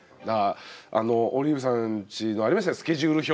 あのオリーブさんちのありましたねスケジュール表。